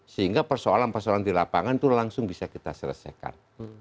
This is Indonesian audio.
sehingga persoalan persoalan di lapangan itu langsung bisa kita selesaikan